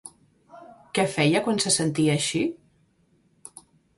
Què feia quan se sentia així?